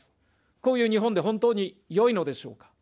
こういう日本で本当によいのでしょうか。